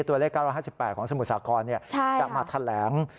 ตัวเลข๙๕๘ของสมุทรสาครจะมาแถลง